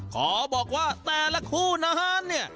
ขอบอกว่าแต่ละคู่นั้นเนี่ย